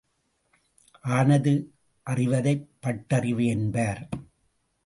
ஆனது அறிவதைப் பட்டறிவு என்பர்.